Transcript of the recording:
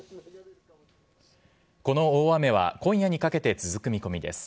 この大雨は、今夜にかけて続く見込みです。